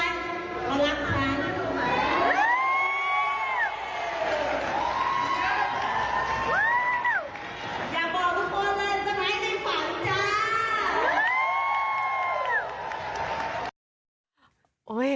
อย่าบอกทุกคนเลยจะไม่ได้ฝังจ้า